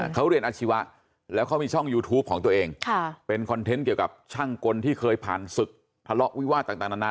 เขาเรียนอาชีวะแล้วเขามีช่องยูทูปของตัวเองเป็นคอนเทนต์เกี่ยวกับช่างกลที่เคยผ่านศึกทะเลาะวิวาสต่างนานา